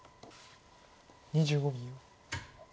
２５秒。